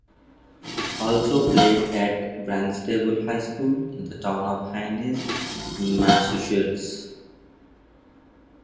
Also played at Barnstable High School in the town of Hyannis, Massachusetts.